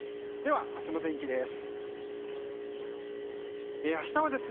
明日の天気です。